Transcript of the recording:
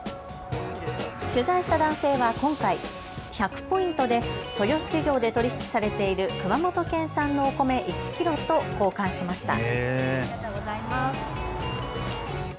取材した男性は今回、１００ポイントで豊洲市場で取り引きされている熊本県産のお米１キロと交換しました。